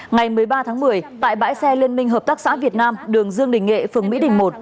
ngày một mươi ba tháng một mươi tại bãi xe liên minh hợp tác xã việt nam đường dương đình nghệ phường mỹ đình một